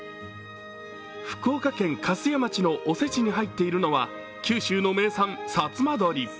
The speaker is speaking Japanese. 福岡県粕屋町のお節に入っているのは九州の名産、さつま鶏。